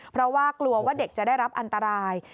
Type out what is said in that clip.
เพราะว่ากลัวว่าเด็กจะได้รับอันตราย